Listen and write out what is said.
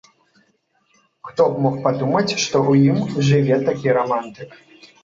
Хто б мог падумаць, што ў ім жыве такі рамантык!